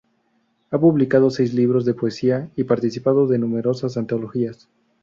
Ha publicado seis libros de poesía y participó de numerosas antologías.